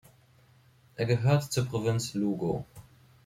Er gehört zur Provinz Lugo.